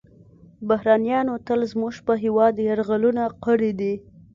بهرنیانو تل زموږ په هیواد یرغلونه کړي دي